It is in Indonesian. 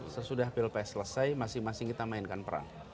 sesudah pilpres selesai masing masing kita mainkan perang